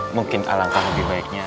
mungkin alangkah lebih baiknya